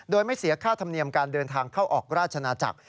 โดยไม่เสียค่าธรรมเนียมการเดินทางเข้าออกราชนาจักร